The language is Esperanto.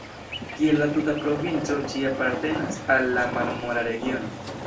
Kiel la tuta provinco, ĝi apartenas al la Marmora regiono.